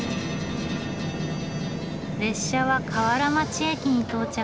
列車は瓦町駅に到着。